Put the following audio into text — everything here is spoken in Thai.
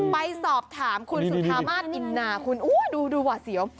ไปสอบถามคุณสุธามาศอินนาคุณดูดูหวาดเสียว